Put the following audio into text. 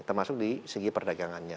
termasuk di segi perdagangannya